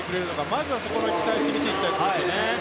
まずは、そこに期待して見ていきたいですね。